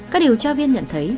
các điều tra viên nhận thấy